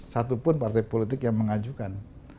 satupun partai politik yang mengajukan